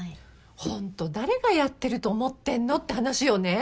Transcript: ホント誰がやってると思ってんの？って話よね。